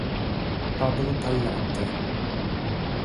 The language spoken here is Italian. Pablo Pallante